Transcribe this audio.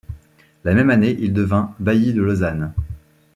La même année il devint bailli de Lausanne.